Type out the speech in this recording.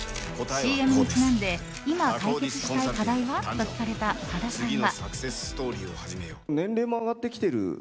ＣＭにちなんで今、解決したい課題は？と聞かれた岡田さんは。